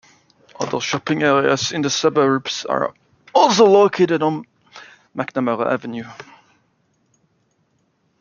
Other shopping areas in the suburb are also located on McNamara Avenue.